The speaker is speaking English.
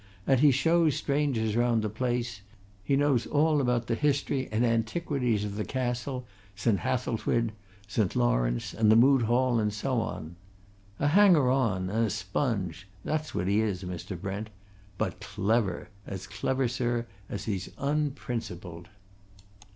And he shows strangers round the place he knows all about the history and antiquities of the Castle, St. Hathelswide, and St. Laurence, and the Moot Hall, and so on. A hanger on, and a sponge that's what he is, Mr. Brent. But clever as clever, sir, as he's unprincipled."